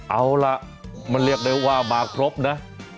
เอาล่ะมันเรียกได้ว่ามาครบนะ